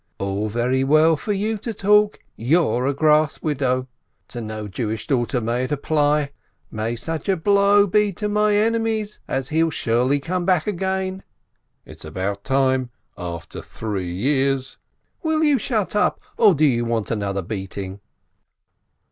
"All very well for you to talk, you're a grass widow (to no Jewish daughter may it apply!) !" "May such a blow be to my enemies as he'll surely come back again!" "It's about time ! After three years !" "Will you shut up, or do you want another beating